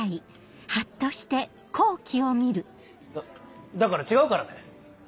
だだから違うからね！